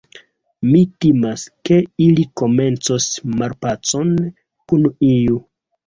Mi timas, ke ili komencos malpacon kun iu.